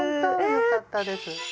よかったです。